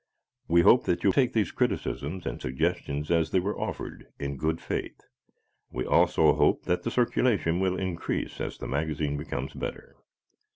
We hope that you take these criticisms and suggestions, as they were offered, in good faith. We also hope that the circulation will increase as the magazine becomes better.